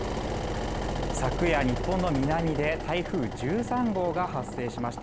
昨夜日本の南で台風１３号が発生しました